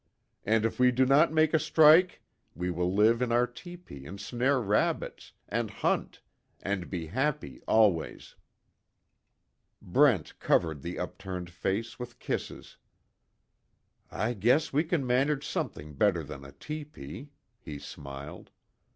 And if we do not make a strike we will live in our tepee and snare rabbits, and hunt, and be happy, always." Brent covered the upturned face with kisses: "I guess we can manage something better than a tepee," he smiled.